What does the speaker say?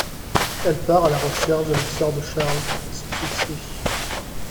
Elle part à la recherche de la sœur de Charles, sans succès.